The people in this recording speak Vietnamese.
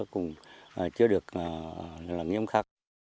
chưa được làm nhiễm khắc